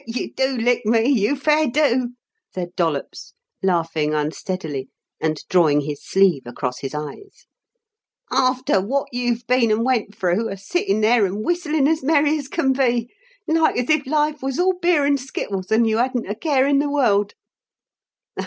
"Sir, you do lick me, you fair do," said Dollops, laughing unsteadily, and drawing his sleeve across his eyes. "Arfter wot you've been and went through, a sittin' there and whistlin' as merry as can be like as if life was all beer and skittles, and you hadn't a care in the world."